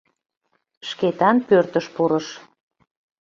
Шкетан пӧртыш пурыш.